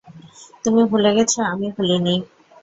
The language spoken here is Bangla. তুমি ভুলে গেছো, আমি ভুলি নি!